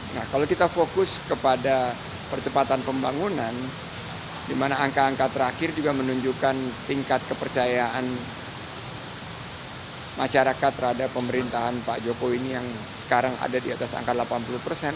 nah kalau kita fokus kepada percepatan pembangunan di mana angka angka terakhir juga menunjukkan tingkat kepercayaan masyarakat terhadap pemerintahan pak jokowi ini yang sekarang ada di atas angka delapan puluh persen